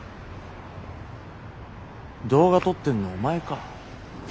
動画撮ってんのはお前か？